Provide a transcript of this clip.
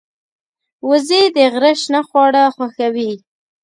وزې د غره شنه خواړه خوښوي